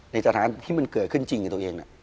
ในสถานที่มันเกิดขึ้นจริงกับตัวเอง